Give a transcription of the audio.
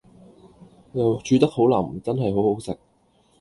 牛肉煮得好腍，真係好好食